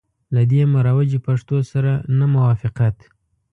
له دې مروجي پښتو سره نه موافقت.